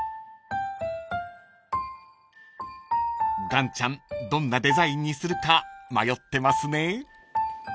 ［岩ちゃんどんなデザインにするか迷ってますね］